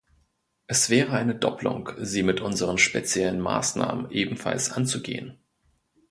Es wäre eine Dopplung, sie mit unseren speziellen Maßnahmen ebenfalls anzugehen.